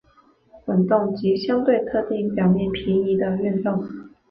滚动及相对特定表面平移的的运动。